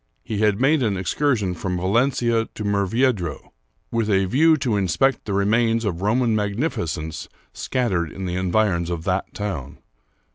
He had made an excursion from Valencia to Murviedro, with a view to in spect the remains of Roman magnificence scattered in the environs of that town.